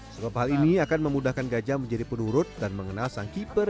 sebab hal ini akan memudahkan gajah menjadi penurut dan mengenal sang keeper